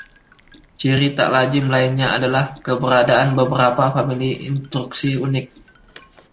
Ciri tak lazim lainnya adalah keberadaan beberapa famili instruksi unik.